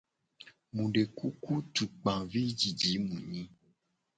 Mu de kuku tugbavijiji mu nyi.